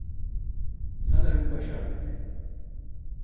Sanırım başardık.